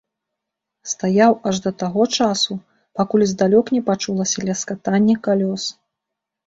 Стаяў аж да таго часу, пакуль здалёк не пачулася ляскатанне калёс.